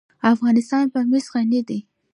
افغانستان په مس غني دی.